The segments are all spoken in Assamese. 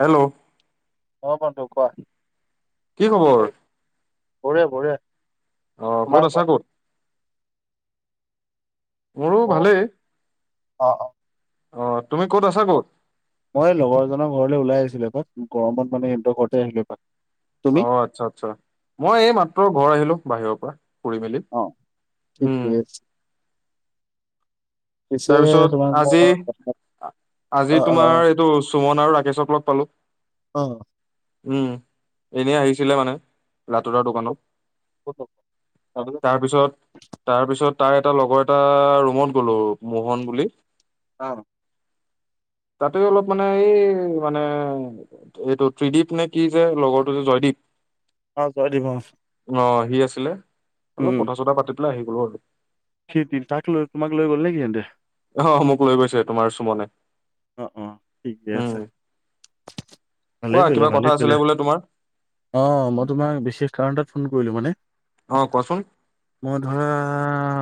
হেল্ল'। মই বন্ধু কোৱা, কি কি খবৰ কৰিছ? বঢ়িয়া-বঢ়িয়া। অহ, ক'ত আছা ক'ত? মোৰো ভালেই। অহ', অহ'। অহ, তুমি ক'ত আছা ক'ত? মই লগৰ এজনৰ ঘৰলে ওলাই আহিছিলোঁ আকো গৰমত মানে সিহঁতৰ ঘৰতে আহিলোঁ। অহ, আচ্ছা আচ্ছা। মই এই মাত্ৰ ঘৰ আহিলোঁ বাহিৰৰ পৰা। কৰি মেলি অ উম। ঠিকে আছে পিছে তাৰপিছত তোমাক আজি, মই কথা অ আজি অ তোমাৰ এইটো সুমন আৰু ৰাকেশক লগ পালোঁ। অহ। উম' এনেই আহিছিলে মানে ৰাতুলৰ দোকানত। [unintelligible] তাৰপিছত, তাৰপিছত তাইৰ এটা লগৰ এটা ৰুমত গ'লো মোহন বুলি। অ'। তাতে অলপ মানে এই মানে এইটো ত্ৰিদীপ নেকি যে লগৰটো যে জয়দীপ। অ', [unintelligible] অহ, সি আছিলে, উম অলপ উম। কথা-চথা পাতি পেলাই আহি গলোঁ আৰু। সি কি, তাকলৈ তোমাক লৈ গ'ল সিহেন্তে। অহ, মোক লৈ গৈছে তোমাৰ চুমনে। অ অ ঠিকে উম, আছে কোৱা কিবা কথা আছিলে বোলে তোমাৰ? অহ, মই তোমাক বিশেষ কাৰণ এটাত ফোন কৰিলোঁ মানে। অহ, কোৱাচোন? মই ধৰা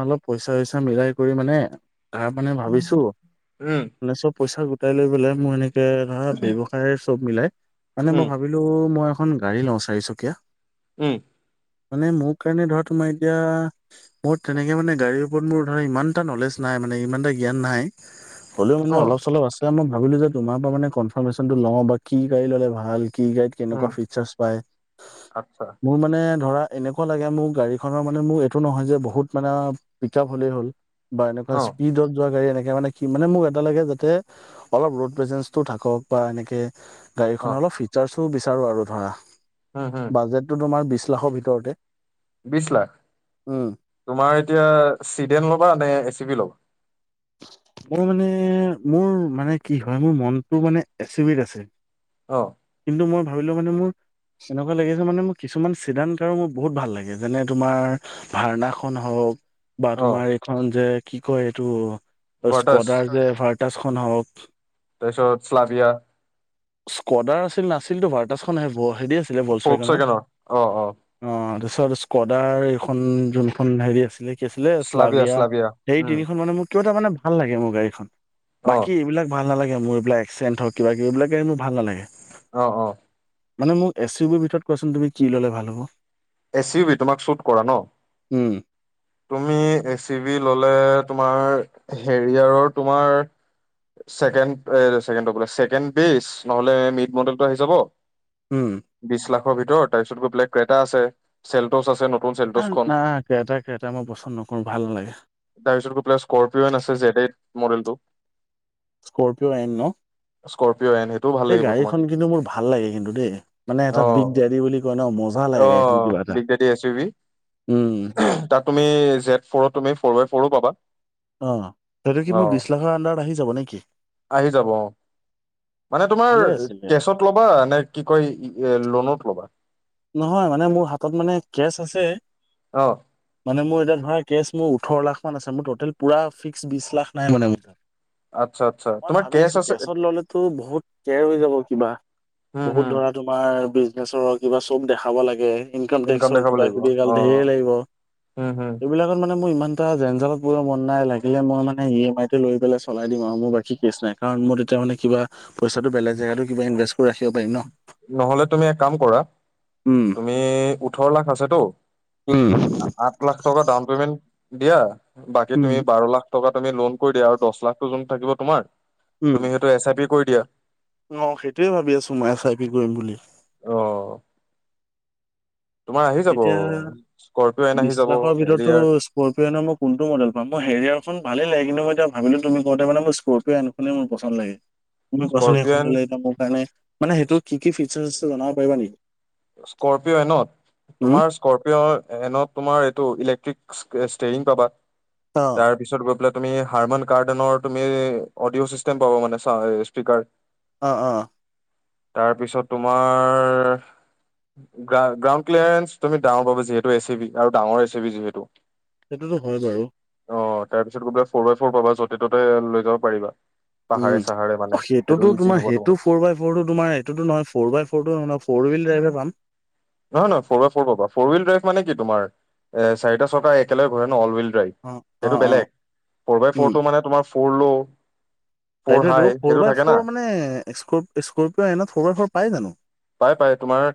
অলপ পইচা-চইচা মিলাই কৰি মানে তাৰ মানে ভাবিছোঁ। উম। মানে চব পইচা গোটাই লৈ পেলাই মোৰ এনেকে ধৰা ব্যৱসায় চব মিলাই, মানে উম মই ভাবিলোঁ মই এখন গাড়ী লওঁ চাৰিচকীয়া। উম। মানে মোৰ কাৰণে ধৰা তোমাৰ এতিয়া মোৰ তেনেকে মানে গাড়ীৰ ওপৰত মোৰ ধৰা, ইমান এটা নলেজ নাই মানে ইমান এটা জ্ঞান নাই। হ'লেও মানে অ অলপ চলপ আছে, মই ভাবিলোঁ যে তোমাৰ পৰা মানে কনফাৰ্মেশ্যনটো লওঁ বা কি গাড়ী ল'লে ভাল। কি গাড়ীত উম কেনেকুৱা ফিউচাৰ্চ পায়, আচ্ছা মোৰ মানে ধৰা এনেকুৱা লাগে মোৰ গাড়ীখনৰ মানে মোৰ এইটো নহয় যে বহুত মানে পিক আপ হ'লেই হ'ল। বা এনেকুৱা অ স্পীডত যোৱা গাড়ী এনেকে মানে কি মানে মোক এটা লাগে অলপ ৰড বেজেঞ্চটো থাকক বা এনেকে গাড়ীখন অ অলপ ফিচৰ্ছো বিচাৰোঁ আৰু ধৰা, উম হম বাজেটটো তোমাৰ বিশ লাখৰ ভিতৰতে। বিশ লাখ, উম, তোমাৰ এতিয়া চিডেন ল'বা নে, এ চি বি ল'বা? মই মানে, মোৰ মানে কি হয় মোৰ মনটো মানে এ চি বিত আছে। অহ। কিন্তু মই ভাবিলোঁ মানে মোৰ এনেকুৱা লাগিছে মানে মোৰ কিছুমান চিদ্ধান্তকাৰো মোৰ বহুত ভাল লাগে যেনে তোমাৰ ভাওনাখন হওঁক বা অ তোমাৰ এইখন যে কি কয় এইটো ভাৰ্টাছ স্কোৱাডাৰ যে ভাৰ্টাছখন হওঁক। তাৰপিছত ফ্লাবিয়া। স্কোৱাডাৰ আছিল নাছিলতো, ভাৰটাছখন হেৰি আছিলে ফ'ক বলচাইকৰত। চেকেনৰ অ অ অহ, তাৰপিছত স্কোৱাডাৰ এইখন যোনখন হেৰি আছিলে। কি আছিলে শ্লাভিয়া শ্লাবিয়া শ্লাভিয়া সেই উম তিনিখন মানে মোৰ কিয় এটা মানে ভাল লাগে মোৰ গাড়ীখন। অ বাকী এইবিলাক ভাল নালাগে মোৰ এইবিল এক্সডেণ্ হওঁক কিবা-কিবি এইবিলাক গাড়ী মোৰ নালাগে। অহ', অহ'। মানে মোক এ চি বিউৰ ভিতৰত কোৱাচোন তুমি কি ল'লে ভাল হ'ব। এ চি ভি তোমাক শ্বুট কৰা ন'। উম। তুমি এ চি বি ল'লে তোমাৰ হেৰিয়াৰৰ তোমাৰ ছেকেণ্ড এ‌ ছেকেণ্ডটো বোলে, ছেকেণ্ড পিচ নহ'লে মিড মডেলটো‌ আহি যাব। উম। বিশ লাখৰ ভিতৰত, তাৰপিছত গৈ বেলেগ ক্ৰেটা আছে চেল্টচ আছে নতুন। চেল্টছখন নাই ক্ৰেটা-ক্ৰেটা মই পচন্দ নকৰোঁ ভাল নালাগে। তাৰপিছত গৈ পেলাই স্কৰ্পিঅ' আছে জেড এড মডেলটো। স্কৰ্পিঅ' নাইন ন'। স্কৰপিঅ' এন সেইটোও ভাল এই লাগিব তোমাক গাড়ীখন কিন্তু মোৰ ভাল লাগে কিন্তু দেই, মানে এটা অ বিগ ডেৰি বুলি কয় ন' মজা লাগে অ গাড়ীখন কিবা এটা big daddy S U V উম। তাত তুমি জেট ফ'ৰত তুমি ফ'ৰ বাই ফ'ৰো পাবা। অহ, সেইটো কি অ মোৰ বিশ লাখৰ আনডাৰত আহি যাব নেকি? আহি যাব অহ। মানে তোমাৰ ভালে আছিলে কেচত ল'বানে, কি কয় লোনত ল'বা? নহয় মানে মোৰ হাতত মানে কেচ আছে। অ', মানে মোৰ এতিয়া ধৰা কেছ মোৰ ওঠৰ লাখ মান আছে মোৰ টেল পুৰা ফিক্স বিশ লাখ নাই মানে মোৰতাত। আচ্ছা আচ্ছা। মই তোমাৰ ভাবি কেচ আছোঁ আছে কেছত ললেতো বহুত কেয়ৰ হৈ যাব কিবা উম বহুত হম ধৰা তোমাৰ বিজনেচৰ কিবা চব দেখাব লাগে ইনকাম টেক্সৰ দেখাব কিবা লাগিব কিবি এগাল অ ধেৰ লাগিব উম হম এইবিলাক মানে মোৰ ইমান এটা জেঞজালত পোৰ মন নাই লাগিলে মই মানে ই এম আইটে লৈ পেলাই চলাই দিম আৰু মোৰ বাকী কেছ নাই কাৰণ মই তেতিয়া মানে কিবা পইচাটো বেলেগ জেগাটো কিবা ইনভেষ্ট কৰি ৰাখিব পাৰিম ন'। নহলে তুমি এক কাম কৰা উম, তুমি ওঠৰ লাখ আছেতো উম। আঠ লাখ টকা ডাউন পে'মেণ্ট দিয়া বাকী উম তুমি বাৰ লাখ টকা তুমি লোন কৰি দিয়া আৰু দশ লাখটো যোন থাকিব তোমাৰ উম তুমি সেইটো এছ আই পি কৰি দিয়া অ', সেইটোয়ে ভাবি আছো মই এচ আই পি কৰিম বুলি অ', তোমাৰ আহি যাব এতিয়া স্কৰপিঅ'ন আহি বিশ যাব লাখৰ ভিতৰতো হেৰিয়াৰ স্কৰপিঅ' এন অ'ৰ মই কোনটো মডেল পাম মই হেৰিয়াৰখন ভালেই লাগে কিন্তু মই এতিয়া ভাবিলোঁ তুমি ক'নটে মানে মই স্কৰপিঅ' এন খনে মোৰ পচন্দ লাগে তোমি কোৱাছোন সেইখন স্কৰপিঅ'ন ললে এতিয়া মোৰ কাৰণে মানে সেইটো কি ফিচাৰ আছে জনাব পাৰিবা নেকি? স্কৰপিঅ এনত উম তোমাৰ স্কৰপিঅ এনত তোমাৰ এইটো ইলেক্ট্ৰিক ষ্টেৰিং পাবা অ তাৰ পিছত গৈ পেলাই তুমি হাৰমান কাৰ্ডেনৰ তুমি অডিঅ' চিষ্টেম পাব মানে স্পীকাৰ অ', অ', তাৰপিছত তোমাৰ গ্ৰাউণ্ড ক্লিয়াৰেঞ্চ তুমি ডাঙৰ পাব যিহেতু এ চি বি আৰু ডাঙৰ এ চি বি যিহেতু সেইটোতো হয় বাৰু অ', তাৰ পিছত গৈ পেলাই ফ'ৰ বাই ফ'ৰ পাবা য'তে ত'তে লৈ যাব পাৰিবা পাহাৰে উম, চাহাৰে মানে সেইটো সেইটোতো ইজি তোমাৰ হ'ব সেইটো ফৰ বাই ওপৰতো তোমাৰ এইতোটো নহয় ফ'ৰ বাই ফৰটো নহয়, ফৰ হুইল ড্ৰাইভে পাম। নহয় নহয় ফ'ৰ বাই ফ'ৰ পাবা, ফ'ৰ হইল ড্ৰাইভ মানে কি তুমাৰ, এ চাৰিটা ছকা একেলগে ঘূৰে ন' অল হুইল ড্ৰাইভ। অ সেইটো অ বেলেগ, ফ'ৰ বাই উম, ফ'ৰটো মানে তোমাৰ ফৰ ল ফ'ৰ সেইটোয়ে তো হাই ফৰ সেইটো বাই থাকে না ফৰ মানে স্কৰ স্কৰপিঅ' এনত ফৰ বাই ফৰ পাই জানো? পাই পাই তোমাৰ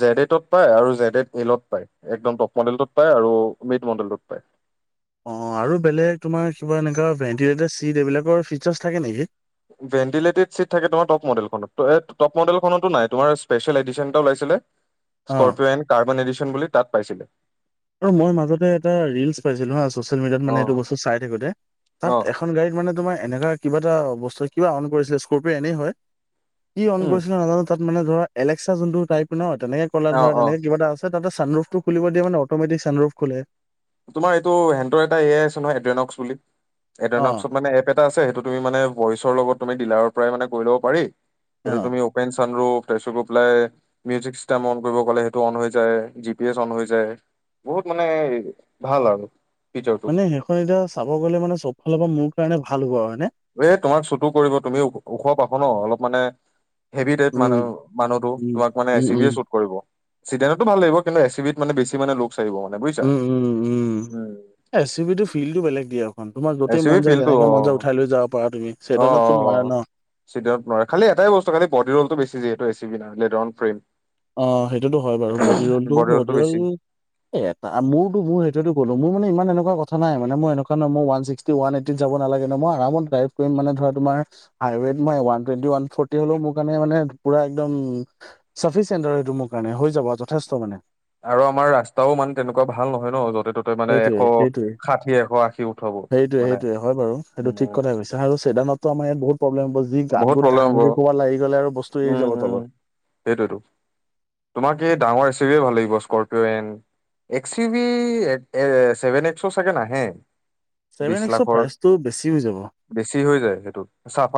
জেড এডত পায় আৰু জেড এড এলত পায়, একদম টপ মডেলত পায় আৰু মিড মডেলত পায়। অ', আৰু বেলেগ তোমাৰ কিবা এনেকুৱা ভেণ্টিলেটেড চিট এইবিলাকৰ ফিচাৰ্ছ থাকে নেকি? ভেন্টিলেটেড চিট থাকে তোমাৰ টপ মডেলখনত, টপ মডেলখনতো নাই তোমাৰ স্পেচিয়েল এডিশন এটা ওলাইছিলে [inaudible] স্কৰপিঅ এন কাৰ্বন এডিশন বুলি তাত পাইছিলে। আৰু মই মাজতে এটা ৰিলচ পাইছিলো হা চচিয়েল মিডিয়াত মানে উম, এইটো বস্তু চাই থাকোঁতে তাত এ এখন গাড়ীত মানে তোমাৰ এনেকা কিবা এটা বস্তু কিবা অন কৰিছিলে স্ক'ৰ্পিঅ' এনেই হয়। কি অন কৰিছিলে নাজানো তাত মানে ধৰা এলেক্সা যোনটো টাইপ নহ তেনেকে কলা ধৰা তেনেকে কিবা এটা আছ তাতে ছানৰুফটো খুলিব দিয়ে মানে অ'মেটিক ছানৰুফ খোলে। তোমাৰ এইটো হেণ্টৰ এটা এ আই আছে নহয় এড্ৰেনক্স বুলি অ', এড্ৰনক্সত মানে এটা আছে সেইটো তুমি মানে ভইচৰ লগত তুমি ডিলাৰৰ পৰাই মানে কৰি ল'ব পাৰি সেইটো অ তুমি অপেন ছানৰুফ তাৰ পাছত গৈপেলাই মিউজিক চিষ্টেম অন কৰিব ক'লে সেইটো অন হৈ যায় জি পি এছ অন হৈ যায় বহুত মানে ভাল আৰু। ফিচাৰটো। মানে সেইখন এতিয়া চাব গ'লে মানে চব ফালৰ পৰা মোৰ কাৰণে ভাল হ'ব আৰু হয় নে? এহ তোমাক চুটো কৰিব তুমি ওখ পাখ ন' অলপ মানে হেভি টাইপমানে উম, মানুহটো উম, তোমাক মানে উম, এছ ইউ ভি এ উম, শ্বুট কৰিব। চিডেনতো ভাল লাগিব কিন্তু এ চি বিত মানে বেছি মানে লোক্স আহিব মানে বুজিছা? উম। এ চি বিটো ফিলটো বেলেগ দিক। তোমাৰ এ য'তেই চি বি মন যায় ফিল্ডটো যেনেকে মন যায় অ', উঠাই লৈ যাব পাৰা তুমি, চেইদানততো নোৱাৰা নহ। চিদনত নোৱাৰে। খালি এটই বস্তু খালি বডি ৰলটো বেছি যিহেতু এচিবিত লেডৰন ফ্ৰেম। অহ সেইটোতো হয় বাৰু বদি ৰোলটো, বডি ৰলটো বদি ৰোল বেছি। এটা মোৰোটো মোৰ সেইটোতো ক'লো মোৰো মানে ইমান এনেকুৱা কথা নাই মানে মই এনেকুৱা নহয় মই ওৱান ছিক্স ওৱান এইটিত যাব নালাগে নহ, মই আৰামত ড্ৰাইভ কৰি মানে ধৰা তোমাৰ হাইৱেত মানে ওৱান টুৱেন্টি, ওৱান ফৰ্টি হ'লেও মোৰ কাৰণে মানে পুৰা একদম চাফি মোৰ কাৰণে হৈ যাব যথেষ্ট মানে। আৰু আমাৰ ৰাস্তাও মানে তেনেকুৱা ভাল নহয় ন য'তে ত'তে মানে এশ সেইটোৱে সেইটোৱে ষাঠি এশ আশী উঠাব সেইটোৱে মানে সেইটোৱে হয় বাৰু সেইটো উম, ঠিক কথাই কৈছে আৰু চেদানত ত' আমাৰ ইয়াত বহুত প্ৰব্লেম হ'ব। যি বহুত গাত-গোট প্ৰব্লেম হ'ব ধাংকে ক'ৰবাত লাগি গ'লে আৰু বস্তু এৰি উম, যাব উম। তলত। সেইটোৱেতো। তোমাক এই ডাঙৰ এ চিয়ে ভাল লাগিব Scorpio N X U V এক চেভেন এক্সটো ছাগে নাহে। ছেভেন বিশ এক্সৰ লাখৰ প্ৰাইচটো বেছি হৈ যাব বেছি হৈ যায় সেইটো,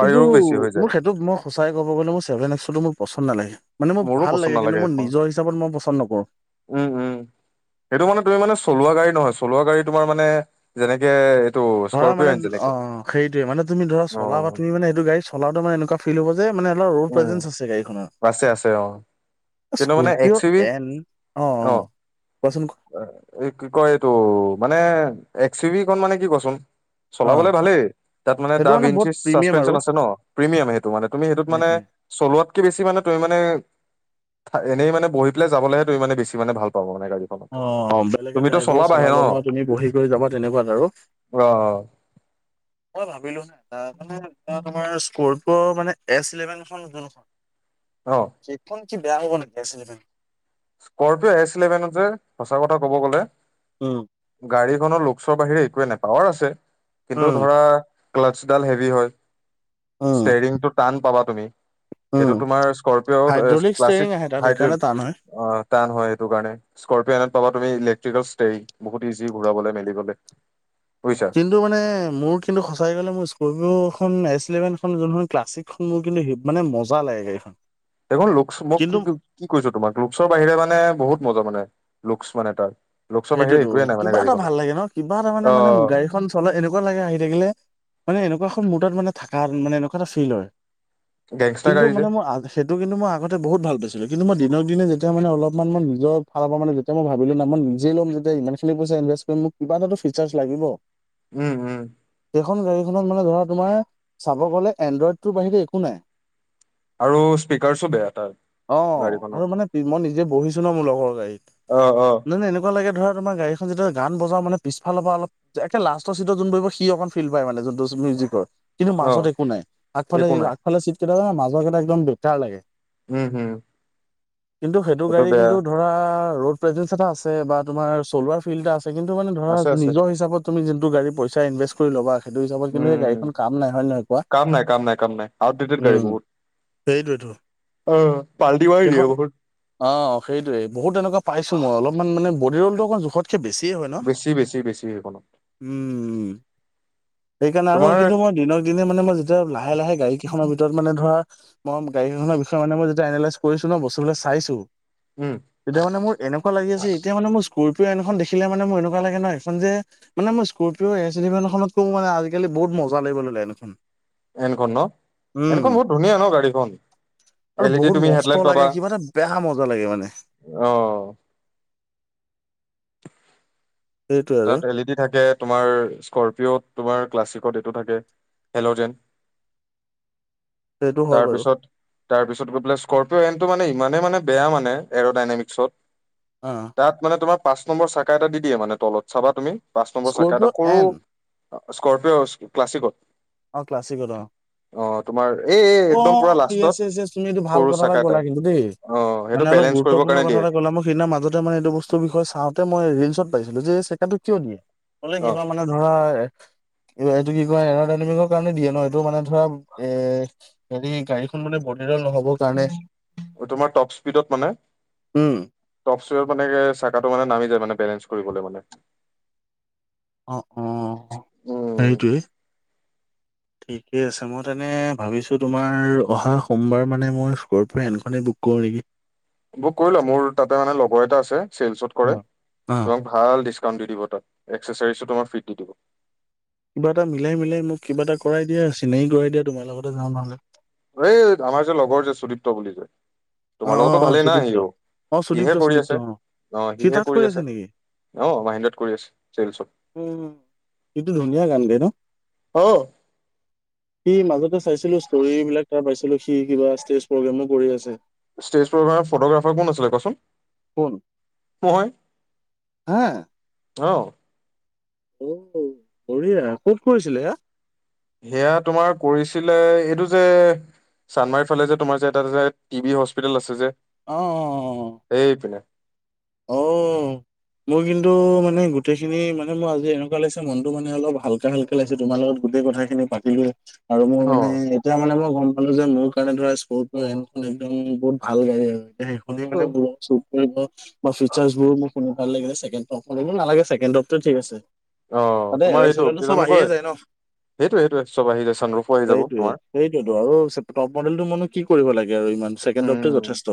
কিন্তু বেছ মোৰ সেইটো মই সঁচাকে কব গ'লে মোৰ চেভন এক্সটো মোৰ পচন্দ নালাগে। মানে মোৰ মোৰো ভাল পচন্দ লাগে কিন্তু নালাগে মই সেইখন নিজৰ হিচাপত মই পচন্দ নকৰোঁ। উম উম সেইটো মানে তুমি মানে চলোৱা গাড়ী নহয়, চলোৱা গাড়ী তোমাৰ মানে যেনেকে এইটো ধৰা মানে স্কৰপিঅ'ন যেনেকে অহ সেইটোয়ে তুমি ধৰা অ চলাবা তুমি মানে এইটো গাড়ী চলাওটে মানে এনেকুৱা ফিল হ'ব যে মানে অলপ ৰড উম প্ৰাইজেঞ্চ আছে গাড়ীখনৰ। আছে আছে অহ কিন্তু মানে X Scorpio U B N অ' অ' অহ কোৱাচোন এই কি কয় এইটো, মানে এক্স ইউ ভি খন মানে কি কচোন? অ' চলাবলে ভালেই তাত মানে সেইটো বহুত দাভিঞ্চিচ প্ৰিমিয়াম আৰু চাচপেন্সন আছে নহ প্ৰিমিয়াম সেইটো মানে, তুমি সেইটোত মানে সেইটোৱে। চলোৱাত কে বেছিমানে তুমি মানে এনেই মানে বহি পেলাই যাবলৈহে তুমি মানে বেছি মানে ভাল পাবা মানে গড়ী। অহ বেলেগে ড্ৰাইভাৰে চলাব ধৰা তুমি বহি কৰি যাবা তেনেকুৱাত আৰু। অহ। মই ভাবিলো ন মানে এ তোমাৰ স্ক'ৰ্পিঅ মানে এছ ইলেভেন এখন যোনখন [inaudible] অহ সেইখন কি বেয়া হব নেকি এচ ইলেভেন? স্কৰ্পিঅ এচ ইলেভেনত যে সঁচা কথা ক'ব গ'লে উম। গাড়ীখনৰ লোকচৰ বাহিৰে একোৱে নাই পাৱাৰ আছে কিন্তু উম। ধৰা ক্লাছডাল হেভি হয়। উম, ষ্টেৰিংটো টান পাবা তুমি। উম, এইটো তোমাৰ স্কৰপিঅ' হাইড্ৰলিক ষ্টেৰিং ক্লাছিক আহে হাইড্ৰল [inaudible] অ তান হয় সেইটো কাৰণে স্কপিঅ খনট পাবা তুমি ইলেক্ট্ৰিকেল ষ্টেৰী বহুত ইজি ঘূৰাবলৈ মেলিবলৈ বুজিছা। কিন্তু মানে মোৰ কিন্তু সঁচাকে মোৰ স্কৰ্ফিও খন এছ ইলেভেন খন যুনখন ক্লাছিক খনও কিন্তু হিব- মানে মজা লাগে গাড়ীখন। এখন লোক কি কিন্তু কি কৈছো তোমাক? লুকচৰ বাহিৰে মানে বহুত মজা মানে লুক্চ মানে তাৰ। লুকচৰ বাহিৰে সেইটোয়েতো একোৱে নাই মানে কিবা এটা গাড়ীখনত ভাল লাগে ন? কিবা এটা মানে অ মানে গাড়ীখন চলত এনেকুৱা লাগে আহি থাকিলে। মানে এনেকুৱা এখন মুডত মানে থাকা মানে এনেকুৱা এটা ফিল হয়। গেংষ্টাৰ কিন্তু গাড়ী যে মানে মোৰ আগ সেইটো কিন্তু মই আগতে বহুত ভাল পাইছিলোঁ। কিন্তু মই দিক দিনে যেতিয়া মানে অলপমান মই নিজৰ ফালৰ পৰা মানে যেতিয়া মই ভাবিলো না মই ল'ম যেতিয়া ইমানখিনি পইচা ইনভেষ্ট কৰিম মোক কিবা এ ফিাৰ্চ লাগিব। উম উম। সেইখন গাড়ীখনত মানে ধৰা তোমাৰ চাব গ'লে এনড্ৰইড তৰ বাহিৰে একো নাই। আৰু স্পীিকাৰছো বেয়া তাৰ। অ, গাড়ীখনৰ আৰু মানে মই নিজে বহিছো ন মোৰ লগৰ গাড়ী অ অ ন নে এনেকুৱা, লাগে ধৰা গাড়ীখন যেতিয়া গান বজা মানেপিছফালৰ পৰা অলপ, একে লাষ্টৰ চিটত যোন প সি অক ফিলড পায় মানে যোনটো মিউজিকৰ। কিন্তু অ মাজত একো নাই আগফালে একো নাই আগফালে চিট কেইটাে মাজৰ কেইটা একদম বেটাৰ লাগে। উম, উম, কিন্তু সেইটো গাড়ী কিন্তু ধৰা ৰড প্ৰেজেন্ঞ্চ এটা আছে বা তোমাৰ চলাৰ ফিল্ড এটা আছে। তে কিন্তু মান ধৰা আছে আছে নিজ হিচাপত তুমি যোনটো গাড়ী পইচা ইনভষ্ট, ল'বা সেইটো হিচাপত কিন্তু সেই উম গাড়ীখন কাম নাই হয় নহ কুৱা কাম নাই কাম নাই কাম নাই আউটডেটেড গাড়ী উম, বহুত সেইটোৱেটো। অ পালতিমাৰি দিয়ে বহুত। অ, সেইটয়ে বহুত তেনেকুৱ পাইছো মই অলপমান মানে বডি ৰলটো অকণ জোখত বেছিয়ে হয় ন? বেছি বেছি বেছি সেইখনত উম, সেইকাৰণে আৰু তোমাৰ কিন্তু মই দিনক দিনে মানে মই যেতিয়া লাহে লাহে গাড়ী কেইখনৰ ভিতৰত মানে ধৰা। মই গাড়ীখনৰ বিষয়ে মান মই যেতিয়া এলাইজ কৰিছো ন বস্তুাক চাইছো, উম, তেতিয়া মানে মোৰ এনেকুৱা লাগি আছে এতিয়া মান মোৰ স্কৰপিঅ এনখন দেখিলে মানে মোৰ এনেকুৱা লাগে নয় এখন যে, মানে মই স্কৰ্পিঅ এছ ইলিভেনখনত কওঁ মানে আজিকালি বহুত মজা লাগিব ললে এনখন। এনখন ন এনখন বহুত ধুনীয়া ন গাড়ীখন। আৰু এল ই ডি বহুত তুমি হেডলাইট নষ্ট লাগে পাবা কি মানে বেয়া মজা লাগে মানে। অ', সেইটোৱে আৰু তাত এল ই ডি থাকে তোমাৰ স্কপিঅত তোমাৰ ক্লাছিকত এইটো থাকে হেল'জেন। [inaudible] হয় তাৰ বাৰু পিছত তাৰপিছত গৈ পেলাই স্কৰপিঅ এণ্ডটো মানে ইমানেই মানে বেয়া মানে এৰ ডাইনেমিক্সত। অ', তাত মানে তোমাৰ পাঁচ নম্বৰ চাকা এটা দি দিয়ে মানে তলত চাবা তুমি পাঁচ নম্বৰ চাকা এটা স্কৰপিঅ' সৰু, এন স্কৰ্পিঅ' ক্লাছিকত। অ, ক্লাছিকৰ অ, অ তোমাৰ এই এই অ, একদম পুৰা লাষ্টত ইয়েছ-ইয়েছ তুমি এইটো ভাল সৰু কথা এটা চাকা ক'লা কিন্তু দেই। অ মান সেইটো অলপ বেলেঞ্চ কৰিবৰ গুৰুতপূৰ্ণ কাৰণে দিয়ে কথাটা ক'লা সেইদিনা মাজতে মানেটো বস্ত, বিষয়ে চাওঁতে মই ৰিলচত পাইছিলো যে এই চেকাটো কিয় দিয়ে বলে কিবা মানে ধৰা এ, এইটো কি কয় এন ডমিংৰ কাৰণে দিয়ে ন এইটো মানে ধৰা এ, হেৰি গাড়ীখন মানে বলিৰল নহবৰ কাৰণে। তোমাৰ টপ স্পীডত মানে। উম, টপ স্পীডত মানে চাকা টো মানে নামি জাই মানে বেলেজ কৰিব মানে অ, অ, উম সেইটোৱে। ঠিকে আছে মই তেনে ভাবিছোঁ তোমাৰ অহা সোমবাৰ মানে মই সৰুফুৰে পৰা এলটো এনখনেই বুক কৰোঁ নেকি? [inaudible] বুক কৰি লোৱা মোৰ তাতে মানে লগৰ এটা আছে চিলচত কৰে অ', তোমাক। ভাল ডিছকাউণ্ট দি দিব তাত, এক্সেচাৰিজো তোমাৰ ফ্ৰীত দি দিব। কিবা এটা মিলাই, মিলাই মোক কিবা এটা কৰাই দিয়া, চিনাকি কৰাই দিয়া তোমাৰ লগতে যাওঁ নহ'লে। এই আমাৰ যে লগৰ যে সুদীপ্ত বুলি যে। তোমাৰ অ', লগতো অ', অ', ভালেই না সুদীপ্ত সিও। অ', সিহে সুদীপ্ত কৰি সুদীপ্ত আছে, অ', অ' সি সিহে তাত কৰি আছে। নেকি? অ, মাহেন্দ্ৰত কৰি আছে চেইলছত। উম, সিটো ধুনীয়া গান গায় ন। অ', তাৰ মাজতে চাইছিলো ষ্টৰি বিলাক। তাক পাইছিলো সি কিবা ষ্টেজ প্ৰগ্ৰেমো কৰি আছে। ষ্টেজ প্ৰগ্ৰামৰ ফটোগ্ৰাফাৰ কোন আছিলে কোৱাচোন। কোন মই হা। অ'। অ', বৰহীয়া ক'ত কৰিছিলে এয়া। হেয়া তোমাৰ কৰিছিলে এইটো যে চানমাৰীৰ ফালে থকা টি বি হস্পিতালত আছে যে। অ', অ' অ'। সেই পিনে। অ'। মোৰ কিন্তু মানে গোটেই খিনি মানে আজি এনেকুৱা লাগিছে মনটো মানে অলপ ভাল। মোৰ এনেকুৱা লাগিছে তোমাৰ লগত গোটেই কথাখিনি পাতিলোৱে আৰু নো অ মানে এতিয়া মানে মই গ'ম পালো যে মোৰ কাৰণে স্কপিঅ' এনখন একদম বহুত ভাল গাড়ী আৰু এয়ে বডি মানে বহুত চুট কৰিব মানে ফিচা্ৰজ বোৰ ভাল লাগিলে ছেকেণ্ড টপ নালাগে ছেকেণ্ড টপ টো ঠিক আছে। অ', তাতে তোমাৰ এলয় এইটো চেলয়টো চব আহিয়ে তোমালোকৰ যায় ন' সেইটো সেইটোৱে চব আহি যাব চান ৰফো আহি যাব তোমাৰ। সেইটোতো আৰু টপ মডেলটো নো মই কি কৰিব লাগে আৰু ইমান ছেকেণ্ড টপটোৱে উম যথেষ্ট।